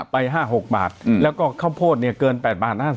ไป๕๖บาทแล้วก็ข้าวโพดเนี่ยเกิน๘บาท๕๐